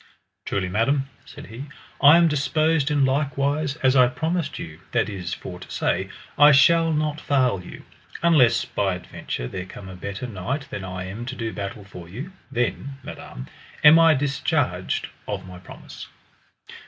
Truly madam, said he, I am disposed in likewise as I promised you, that is for to say I shall not fail you, unless by adventure there come a better knight than I am to do battle for you, then, madam, am I discharged of my promise.